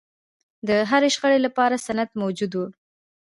د هرې شخړې لپاره سند موجود و.